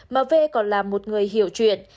mà vê còn là một người hiểu chuyện